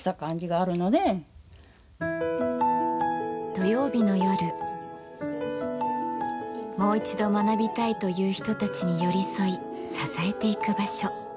土曜日の夜もう一度学びたいという人たちに寄り添い支えていく場所。